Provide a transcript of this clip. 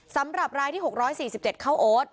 สำหรับรายที่๖๔๗เข้าโอ๊ต